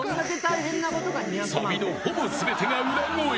サビのほぼ全てが裏声。